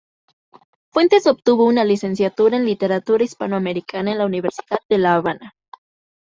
Fuentes obtuvo una licenciatura en Literatura Hispanoamericana en la Universidad de La Habana.